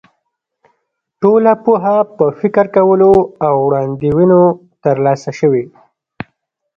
ټوله پوهه په فکر کولو او وړاندوینو تر لاسه شوې.